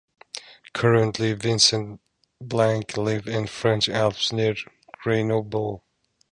Currently Vincent Blanc live in French Alps near Grenoble.